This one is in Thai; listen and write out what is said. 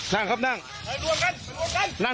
นั่งครับนั่งนั่ง